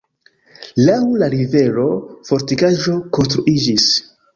Laŭ la rivero fortikaĵo konstruiĝis.